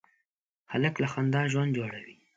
هلک له خندا ژوند جوړوي.